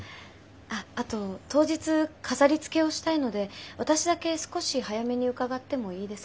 あっあと当日飾りつけをしたいので私だけ少し早めに伺ってもいいですか？